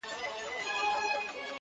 د ګیلاس لوري د شراب او د مینا لوري